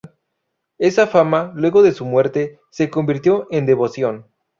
Esa fama, luego de su muerte, se convirtió en devoción.